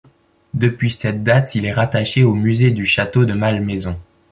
Depuis cette date il est rattaché au musée du Château de Malmaison.